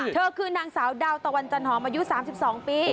เธอคือนางสาวดาวตะวันจันทรอมอายุสามสิบสองปี